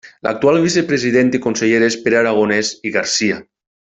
L'actual Vicepresident i conseller és Pere Aragonès i Garcia.